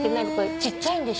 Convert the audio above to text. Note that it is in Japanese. ちっちゃいんでしょ？